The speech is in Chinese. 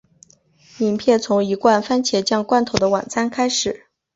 影片从一罐蕃茄酱罐头的晚餐开始。